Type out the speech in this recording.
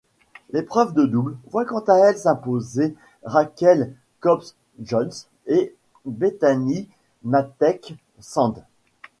L'épreuve de double voit quant à elle s'imposer Raquel Kops-Jones et Bethanie Mattek-Sands.